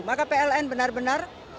maka pln benar benar